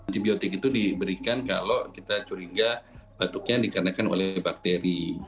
antibiotik itu diberikan kalau kita curiga batuknya dikarenakan oleh bakteri